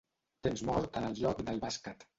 Temps mort en el joc del bàsquet.